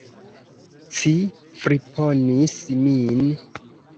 Ci friponis min!